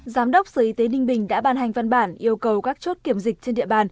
giám đốc sở y tế ninh bình đã ban hành văn bản yêu cầu các chốt kiểm dịch trên địa bàn